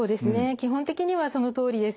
基本的にはそのとおりです。